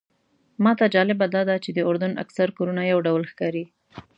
ماته جالبه داده چې د اردن اکثر کورونه یو ډول ښکاري.